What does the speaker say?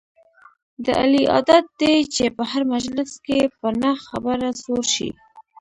د علي عادت دی په هر مجلس کې په نه خبره سور شي.